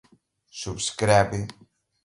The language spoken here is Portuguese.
subscreve